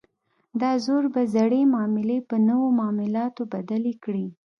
دا زور به زړې معاملې په نویو معادلاتو بدلې کړي.